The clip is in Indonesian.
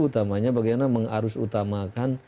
utamanya bagaimana mengarus utamakan